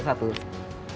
selamat pagi mbak